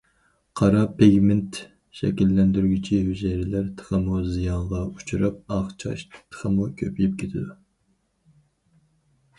قارا پىگمېنت شەكىللەندۈرگۈچى ھۈجەيرىلەر تېخىمۇ زىيانغا ئۇچراپ ئاق چاچ تېخىمۇ كۆپىيىپ كېتىدۇ.